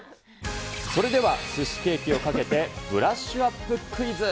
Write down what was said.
それでは、すしケーキをかけてブラッシュアップクイズ。